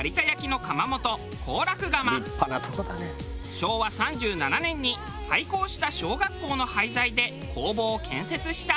昭和３７年に廃校した小学校の廃材で工房を建設した。